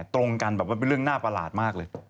ตรงกันแบบว่าเป็นเรื่องน่าประหลาดมากเลย